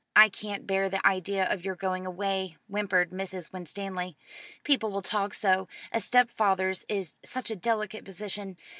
"I can't bear the idea of your going away," whimpered Mrs. Winstanley. "People will talk so. A stepfather's is such a delicate position.